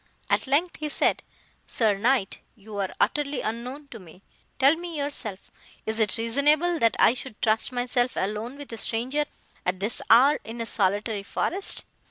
At length, he said, 'Sir knight, you are utterly unknown to me; tell me yourself,—is it reasonable, that I should trust myself alone with a stranger, at this hour, in a solitary forest?